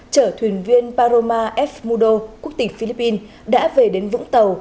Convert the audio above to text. trở thuyền viên paroma f mudo quốc tịch philippines đã về đến vũng tàu